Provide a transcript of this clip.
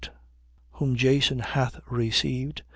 Whom Jason hath received.